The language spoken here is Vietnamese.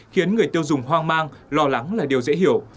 khiến người tiêu dùng hoang mang lo lắng là điều dễ hiểu